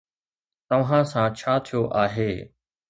توهان سان ڇا ٿيو آهي؟